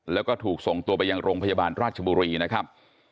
แล้วก็ถูกส่งตัวไปยังโรงพยาบาลราชบุรีนะครับ